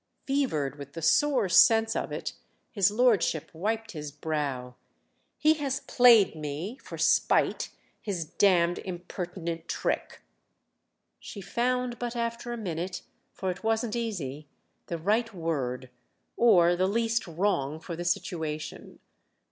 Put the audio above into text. Fevered with the sore sense of it his lordship wiped his brow. "He has played me, for spite, his damned impertinent trick!" She found but after a minute—for it wasn't easy—the right word, or the least wrong, for the situation.